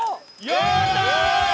やったー！